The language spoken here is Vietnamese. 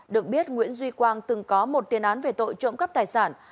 được biết nguyễn duy quang từng có một tiên án về tội trộm các tài sản